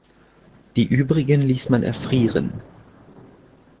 Die Übrigen ließ man erfrieren.